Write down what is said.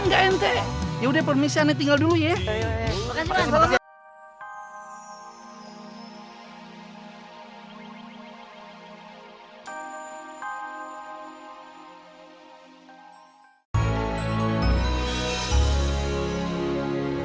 enggak ente ya udah permisi aneh tinggal dulu ya ya ya ya